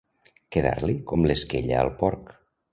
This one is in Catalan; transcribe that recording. Quedar-li com l'esquella al porc.